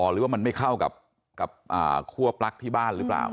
หรือว่ามันไม่เข้ากับคั่วปลั๊กที่บ้านหรือเปล่า